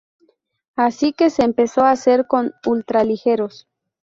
Así que se empezó a hacer con ultraligeros.